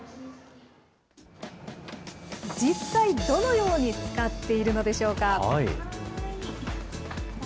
実際、どのように使っているのでしょうか。